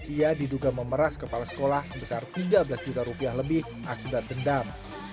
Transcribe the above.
ia diduga memeras kepala sekolah sebesar tiga belas juta rupiah lebih akibat dendam